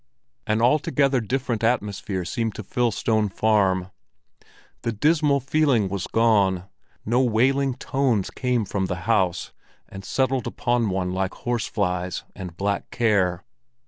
An altogether different atmosphere seemed to fill Stone Farm. The dismal feeling was gone; no wailing tones came from the house and settled upon one like horse flies and black care.